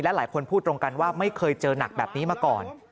หลายคนพูดตรงกันว่าไม่เคยเจอหนักแบบนี้มาก่อน